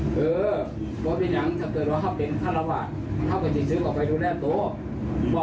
เอ่อเพราะว่าเรื่องถ้าเกิดว่าฮับเป็นทราวะฮับไปจิตซื้อก่อไปดูแลตัว